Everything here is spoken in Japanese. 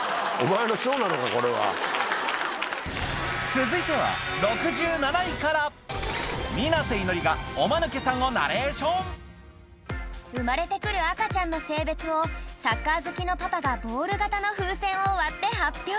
続いては６７位から水瀬いのりがおマヌケさんをナレーション生まれて来る赤ちゃんの性別をサッカー好きのパパがボール形の風船を割って発表